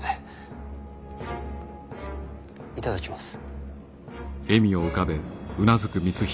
頂きます。